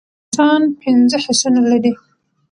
انسان پنځه حسونه لری